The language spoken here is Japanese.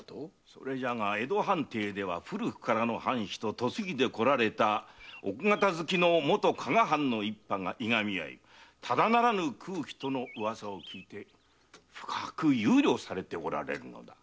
それじゃが江戸藩邸では古くからの藩士と嫁いでこられた奥方付きのもと加賀藩の一派がいがみ合いただならぬ空気との噂を聞かれ深く憂慮されておられる。